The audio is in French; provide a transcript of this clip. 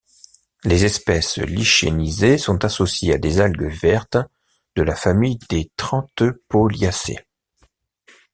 Les espèces lichénisées sont associées à des algues vertes de la famille des Trentepohliaceae.